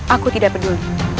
aku tidak peduli